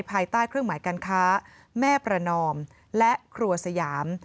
ภายใต้เครื่องหมายการค้าแม่ประนอมและครัวสยาม